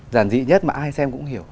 giản dị nhất mà ai xem cũng hiểu